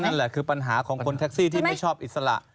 นั่นแหละคือปัญหาของคนแท็กซี่ที่ไม่ชอบอิสระ